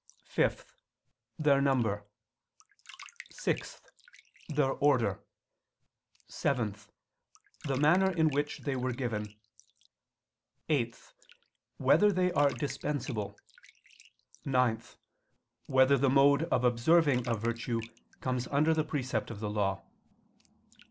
(5) Their number; (6) Their order; (7) The manner in which they were given; (8) Whether they are dispensable? (9) Whether the mode of observing a virtue comes under the precept of the Law?